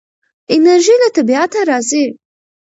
انرژي له طبیعته راځي.